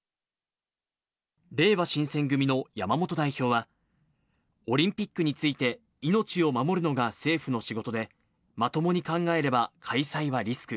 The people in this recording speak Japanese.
れいわ新選組の山本代表は、オリンピックについて命を守るのが政府の仕事で、まともに考えれば開催はリスク。